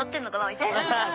みたいな。